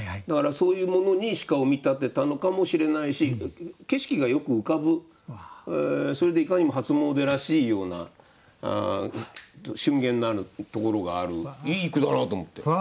だからそういうものに鹿を見立てたのかもしれないし景色がよく浮かぶそれでいかにも初詣らしいようなしゅん厳なるところがあるいい句だなと思って。